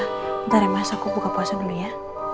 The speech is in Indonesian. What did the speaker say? bentar ya mas aku buka puasa dulu ya